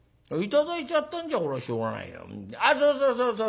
「あっそうそうそうそう」。